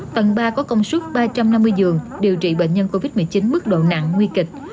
tầng ba có công suất ba trăm năm mươi giường điều trị bệnh nhân covid một mươi chín mức độ nặng nguy kịch